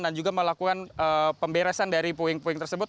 dan juga melakukan pemberesan dari puing puing tersebut